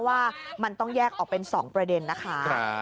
ว่ามันต้องแยกออกเป็น๒ประเด็นนะคะ